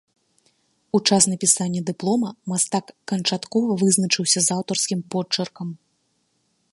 У час напісання дыплома мастак канчаткова вызначыўся з аўтарскім почыркам.